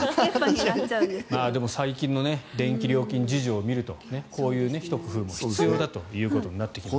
でも最近の電気料金事情を見るとこういうひと工夫も必要だということになってきます。